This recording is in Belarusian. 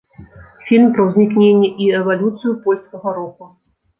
Фільм пра ўзнікненне і эвалюцыю польскага року.